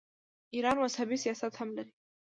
ایران مذهبي سیاحت هم لري.